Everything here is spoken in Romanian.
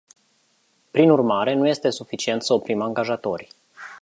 Prin urmare, nu este suficient să oprim angajatorii.